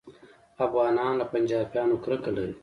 افغانان له پنجابیانو کرکه لري